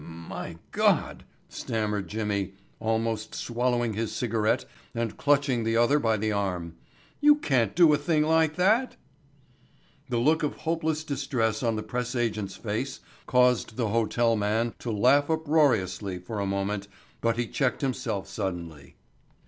"My God," stammered Jimmy, almost swallowing his cigarette and clutching the other by the arm, "you can't do a thing like that." The look of hopeless distress on the press agent's face caused the hotel man to laugh uproariously, for a moment, but he checked himself suddenly.